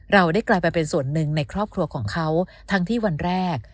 เราได้กลายไปเป็นส่วนหนึ่งในครอบครัวของเขาทั้งที่วันแรก